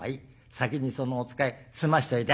先にそのお使い済ましといで」。